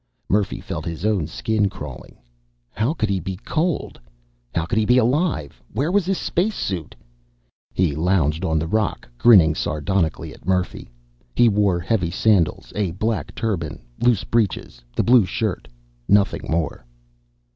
Murphy felt his own skin crawling. How could he be cold? How could he be alive? Where was his space suit? He lounged on the rock, grinning sardonically at Murphy. He wore heavy sandals, a black turban, loose breeches, the blue shirt. Nothing more.